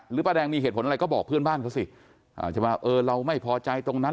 ป้าแดงมีเหตุผลอะไรก็บอกเพื่อนบ้านเขาสิใช่ไหมเออเราไม่พอใจตรงนั้น